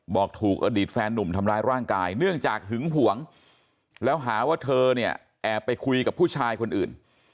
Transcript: บอกถูกอดีตแฟนหนุ่มทำร้ายร่างกายเนื่องจากหึงหวงแล้วหาว่าเธอเนี่ยแอบไปคุยกับผู้ชายคนอื่น